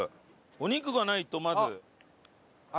お肉がないとまず。